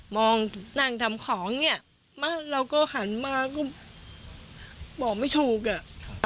นั่งทำของเนี่ยมาเราก็หันมาก็บอกไม่ถูกอ่ะ